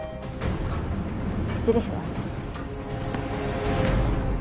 失礼します。